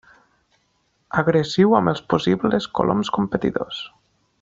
Agressiu amb els possibles coloms competidors.